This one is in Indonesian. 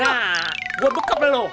nah gue bekap dulu